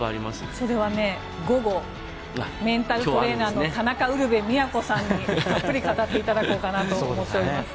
それは午後メンタルトレーナーの田中ウルヴェ京さんにたっぷり語っていただこうかなと思っております。